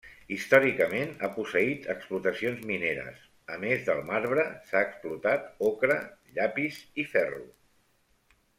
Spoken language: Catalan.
Històricament ha posseït explotacions mineres, a més del marbre s'ha explotat ocre, llapis i ferro.